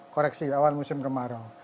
koreksi awal musim kemarau